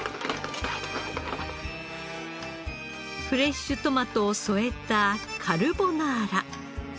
フレッシュトマトを添えたカルボナーラ。